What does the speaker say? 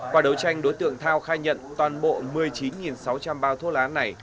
qua đấu tranh đối tượng thao khai nhận toàn bộ một mươi chín sáu trăm linh bao thuốc lá này